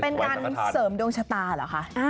เป็นการเสริมดวงชะตาเหรอคะ